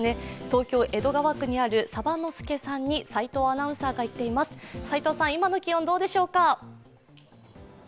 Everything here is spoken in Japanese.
東京・江戸川区にある鯖の助さんに齋藤アナウンサーが行っています、今の気温、どうでしょうか。